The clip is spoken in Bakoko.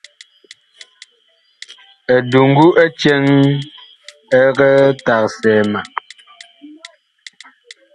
Eduŋgu ɛ cɛŋ ɛg tagsɛɛ ma.